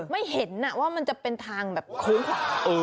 ไม่เห็นว่ามันจะเป็นทางแบบโค้งขวา